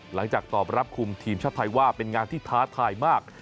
หลังจากตอบรับคุมทีมชาติไทยว่าเป็นงานที่ท้าทายมาก